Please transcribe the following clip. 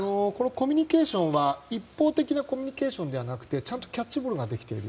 コミュニケーションは一方的なコミュニケーションではなくてちゃんとキャッチボールができている。